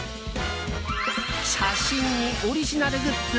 写真に、オリジナルグッズ。